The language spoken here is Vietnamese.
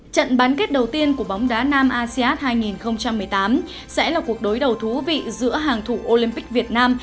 trận bán kết đầu tiên của bóng đá nam asean hai nghìn một mươi tám sẽ là cuộc đối đầu thú vị giữa hàng thủ olympic việt nam